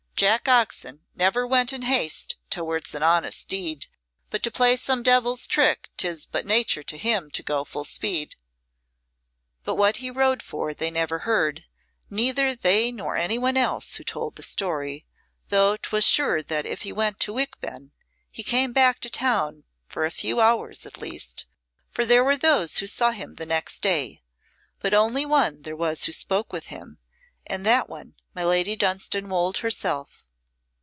"Jack Oxon never went in haste towards an honest deed; but to play some devil's trick 'tis but nature to him to go full speed." But what he rode for they never heard, neither they nor anyone else who told the story, though 'twas sure that if he went to Wickben he came back to town for a few hours at least, for there were those who saw him the next day, but only one there was who spoke with him, and that one my Lady Dunstanwolde herself.